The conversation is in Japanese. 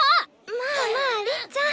まあまありっちゃん。